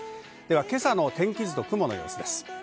今朝の天気図と雲の様子です。